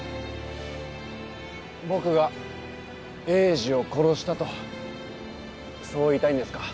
僕が栄治を殺したとそう言いたいんですか？